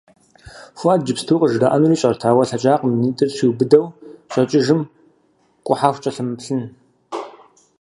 Фуӏэд иджыпсту къыжраӏэнур ищӏэрт, ауэ лъэкӏакъым и нитӏыр триубыдэу щӏэкӏыжым къухьэху кӏэлъымыплъын.